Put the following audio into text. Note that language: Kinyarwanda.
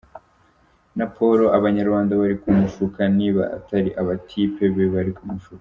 Na Paul abanyarwanda bari kumushuka niba atari abatype be bari kumushuka!